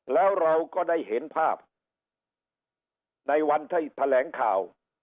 แล้วเราก็ได้เห็นภาพในวันที่แถลงข่าว